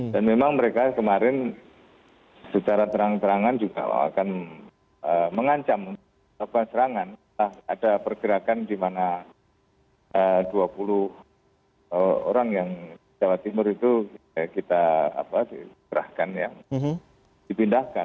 dan memang mereka kemarin secara terang terangan juga akan mengancam terangan setelah ada pergerakan di mana dua puluh orang yang di jawa timur itu kita perahkan ya dipindahkan